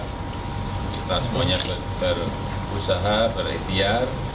kita semuanya berusaha beretiar